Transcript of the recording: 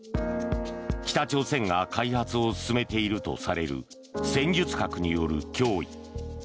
北朝鮮が開発を進めているとされる戦術核による脅威。